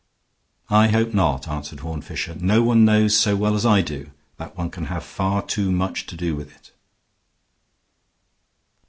"I hope not," answered Horne Fisher. "No one knows so well as I do that one can have far too much to do with it."